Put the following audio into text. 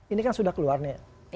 ini kan sudah keluar nih